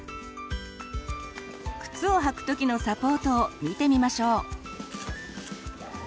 靴をはく時のサポートを見てみましょう。